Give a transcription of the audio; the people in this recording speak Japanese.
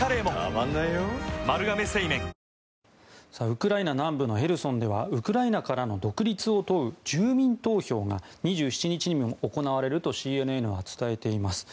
ウクライナ南部のヘルソンではウクライナからの独立を問う住民投票が２７日にも行われるとＣＮＮは伝えています。